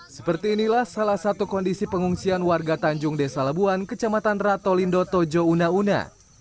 seperti inilah salah satu kondisi pengungsian warga tanjung desa labuan kecamatan ratolindo tojo una una